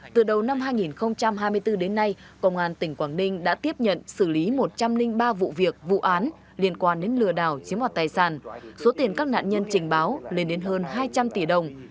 từ đầu năm hai nghìn hai mươi bốn đến nay công an tỉnh quảng ninh đã tiếp nhận xử lý một trăm linh ba vụ việc vụ án liên quan đến lừa đảo chiếm hoạt tài sản số tiền các nạn nhân trình báo lên đến hơn hai trăm linh tỷ đồng